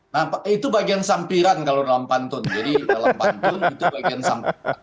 nah itu bagian sampiran kalau dalam pantun jadi dalam pantun itu bagian samping